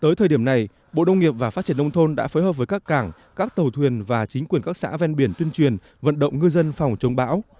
tới thời điểm này bộ đông nghiệp và phát triển nông thôn đã phối hợp với các cảng các tàu thuyền và chính quyền các xã ven biển tuyên truyền vận động ngư dân phòng chống bão